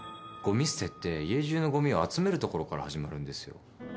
「ごみ捨てって家中のごみを集めるところから始まるんですよ」